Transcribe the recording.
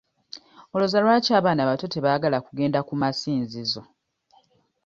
Olowooza lwaki abaana abato tebaagala kugenda ku masinzizo?